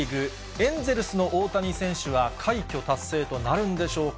エンゼルスの大谷選手は快挙達成となるんでしょうか。